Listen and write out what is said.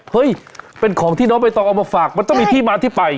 เฮ้ยเป็นของที่น้องใบตองเอามาฝากมันต้องมีที่มาที่ไป